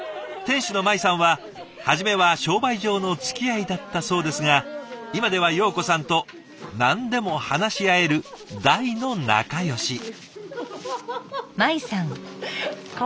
店主のマイさんは初めは商売上のつきあいだったそうですが今ではヨーコさんと何でも話し合える大の仲よし。